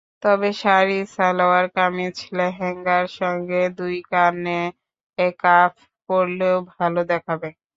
তবে শাড়ি, সালোয়ার-কামিজ, লেহেঙ্গার সঙ্গে দুই কানে কাফ পরলেও ভালো দেখাবে।